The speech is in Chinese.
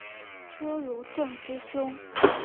车汝震之兄。